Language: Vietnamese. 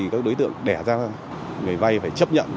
các đối tượng đẻ ra người vay phải chấp nhận